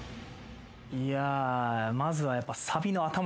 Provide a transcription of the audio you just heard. いやまずはやっぱ。